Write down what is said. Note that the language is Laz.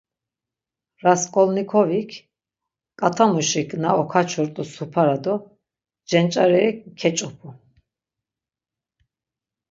Rasǩolnikovik, ǩatamuşik na oǩaçurt̆u supara do cenç̌areri keç̌opu.